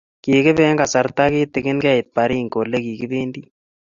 Kikibe eng kasarta kitikin keit Baringo olekikibendi